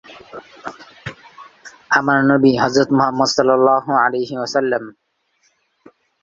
সাধারণত কোন যন্ত্রের মডেলের জন্য আমরা 'চক্র' কথাটি ব্যবহার করি।